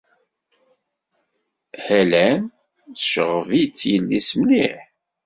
Helen tceɣɣeb-itt yelli-s mliḥ.